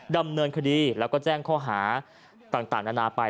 ดำเนินคดีแล้วก็แจ้งค้าต่างดันดันอาไป